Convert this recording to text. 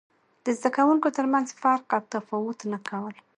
د زده کوونکو ترمنځ فرق او تفاوت نه کول.